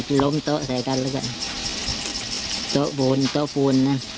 หลอมโต๊ะใส่กันด้วยว่ะโต๊ะบูนโต๊ะพูนนั้น